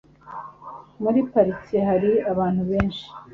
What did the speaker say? Muri parike hari abantu benshi.